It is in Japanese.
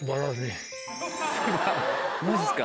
マジっすか。